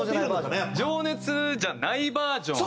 情熱じゃないバージョンを。